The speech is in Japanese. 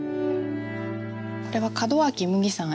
これは門脇麦さん